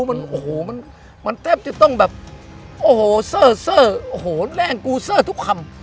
มันโอ้โหมันแทบจะต้องแบบโอ้โหเซอร์เซอร์โอ้โหแรงกูเซอร์ทุกคำ